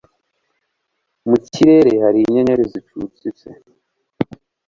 mukirere hari inyenyeri zicucitse